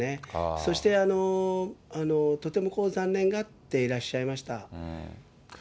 そして、とても残念がっていらっしゃっていました。